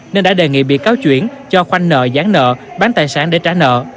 nên đã đề nghị bị cáo chuyển cho khoanh nợ gián nợ bán tài sản để trả nợ